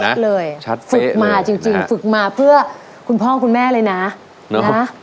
ยังร้องชัดเลยนะชัดเป๊ะเลยฝึกมาจริงจริงฝึกมาเพื่อคุณพ่อคุณแม่เลยน่ะน่ะ